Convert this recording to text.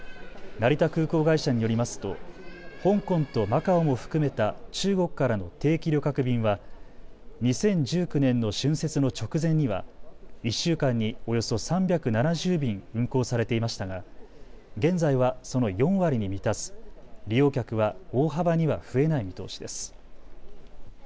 成田空港会社によりますと香港とマカオも含めた中国からの定期旅客便は２０１９年の春節の直前には１週間におよそ３７０便運航されていましたが現在はその４割に満たず、利用客は大幅には増えない見通しです。